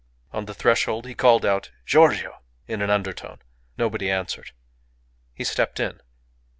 On the threshold he called out "Giorgio!" in an undertone. Nobody answered. He stepped in.